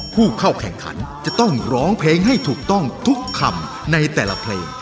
ผู้เข้าแข่งขันจะต้องร้องเพลงให้ถูกต้องทุกคำในแต่ละเพลง